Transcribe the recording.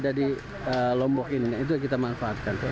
ini ada di lombok ini itu kita manfaatkan